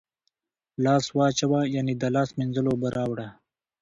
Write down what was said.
لاس واچوه ، یعنی د لاس مینځلو اوبه راوړه